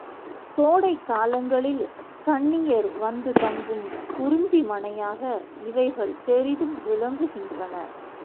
கோடைக் காலங்களில் கன்னியர் வந்து தங்கும் குறிஞ்சிமனையாக இவைகள் பெரிதும் விளங்குகின்றன.